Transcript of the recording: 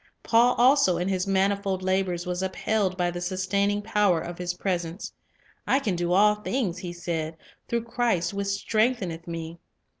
Paul also in his manifold labors was upheld by the sustaining power of His presence. "I can do all things," he said, "through Christ which strengtheneth me."